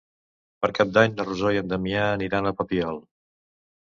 Per Cap d'Any na Rosó i en Damià aniran al Papiol.